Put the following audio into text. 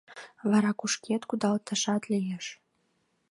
— Вара кушкед кудалташат лиеш.